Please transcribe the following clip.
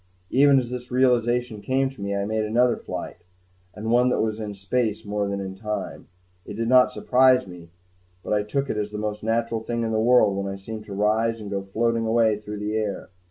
Even as this realization came to me, I made another flight and one that was in space more than in time. It did not surprise me, but I took it as the most natural thing in the world when I seemed to rise and go floating away through the air.